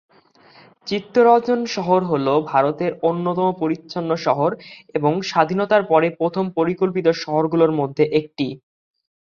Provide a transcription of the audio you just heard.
চিত্তরঞ্জন শহর হ'ল ভারতের অন্যতম পরিচ্ছন্ন শহর এবং স্বাধীনতার পরে প্রথম পরিকল্পিত শহরগুলির মধ্যে একটি।